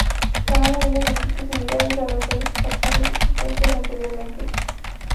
Se han añadido edificios y unidades a las seis facciones existentes anteriormente.